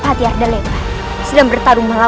kau tidak akan bawa aku tinggah